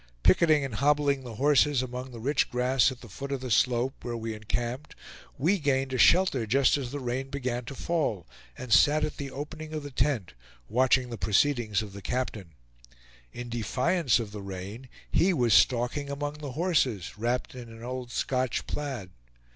Picketing and hobbling the horses among the rich grass at the foot of the slope, where we encamped, we gained a shelter just as the rain began to fall; and sat at the opening of the tent, watching the proceedings of the captain. In defiance of the rain he was stalking among the horses, wrapped in an old Scotch plaid.